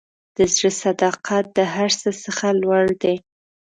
د زړه صداقت د هر څه څخه لوړ دی.